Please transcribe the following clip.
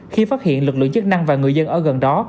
khi phát hiện lực lượng chức năng và người dân ở gần đó